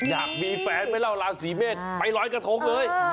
อยากมีแฟนไม่เล่าราศีเมษไปลอยกระทงเลย